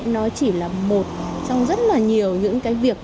nó chỉ là một trong rất là nhiều những cái việc